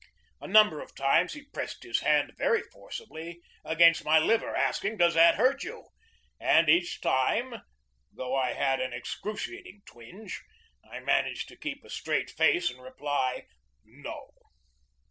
A number of times he pressed his hand very forcibly against my liver, asking, "Does that hurt you?" and each time, though I had an excruciating twinge, I managed to keep a straight face and reply, "No."